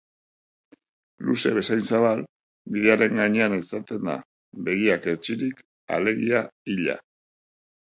Luze bezain zabal, bidearen gainean etzaten da, begiak hetsirik, alegia hila